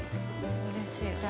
◆うれしい。